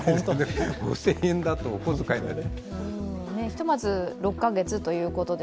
５０００円だとお小遣いなので。